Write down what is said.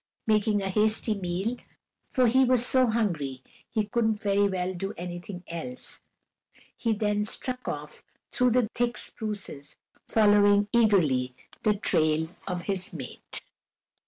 Making a hasty meal, for he was so hungry he couldn't very well do anything else, he then struck off through the thick spruces, following eagerly the trail of his mate.